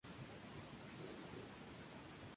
Coordinado por la Dra.